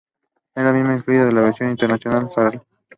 La misma fue incluida en la versión internacional de "Fearless".